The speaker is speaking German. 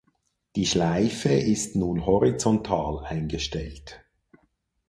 Die Schleife ist nun horizontal eingestellt.